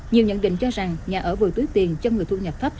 nhiều nhận định cho rằng nhà ở vừa túi tiền cho người thu nhập thấp